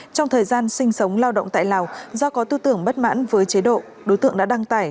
trong thời gian sinh sống lao động tại lào do có tư tưởng bất mãn với chế độ đối tượng đã đăng tải